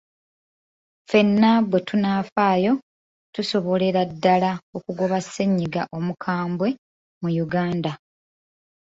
Ffenna bwe tunaafaayo, tusobolerera ddala okugoba ssennyiga omukambwe mu Uganda.